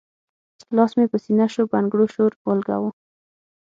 لاس مې پۀ سينه شو بنګړو شور اولګوو